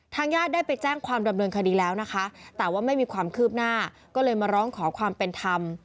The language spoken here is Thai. ญาติได้ไปแจ้งความดำเนินคดีแล้วนะคะแต่ว่าไม่มีความคืบหน้าก็เลยมาร้องขอความเป็นธรรม